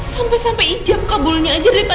sampai sampai ijam kaburnya aja dari tadi salah pak